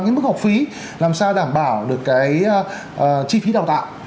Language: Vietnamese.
cái mức học phí làm sao đảm bảo được cái chi phí đào tạo